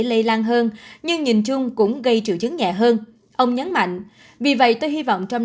lây lan hơn nhưng nhìn chung cũng gây triệu chứng nhẹ hơn ông nhấn mạnh vì vậy tôi hy vọng trong